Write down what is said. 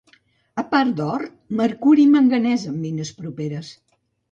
A part d'or, mercuri i manganès en mines properes.